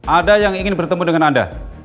ada yang ingin bertemu dengan anda